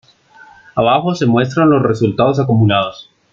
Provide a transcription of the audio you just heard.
Abajo se muestran los resultados acumulados.